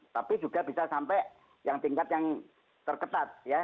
tapi juga bisa sampai yang tingkat yang terketat ya